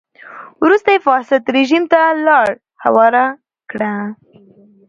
وروسته یې فاسد رژیم ته لار هواره کړه.